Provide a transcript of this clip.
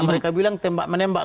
mereka bilang tembak menembak